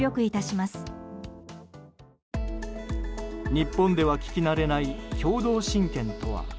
日本では聞き慣れない共同親権とは。